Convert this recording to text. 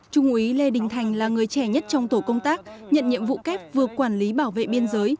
trung úy lê đình thành là người trẻ nhất trong tổ công tác nhận nhiệm vụ kép vừa quản lý bảo vệ biên giới